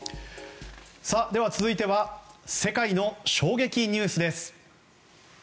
続いては世界の衝撃ニュースです。